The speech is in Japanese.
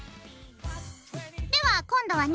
では今度はね